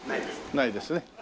ないですね。